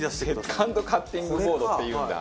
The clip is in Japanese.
セカンドカッティングボードっていうんだ。